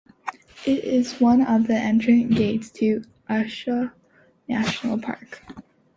It is one of the entrance gates to Etosha National Park.